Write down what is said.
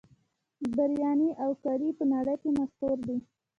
بریاني او کري په نړۍ کې مشهور دي.